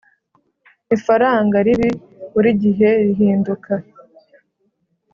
ifaranga ribi burigihe rihinduka